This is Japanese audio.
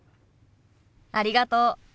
ありがとう。